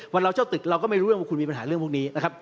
เราเช่าตึกเราก็ไม่รู้เรื่องว่าคุณมีปัญหาเรื่องพวกนี้นะครับ